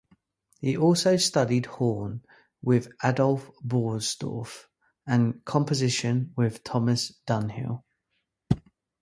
He also studied horn with Adolf Borsdorf and composition with Thomas Dunhill.